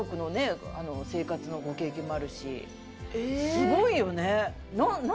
すごいよね！